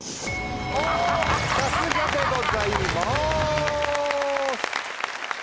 さすがでございます。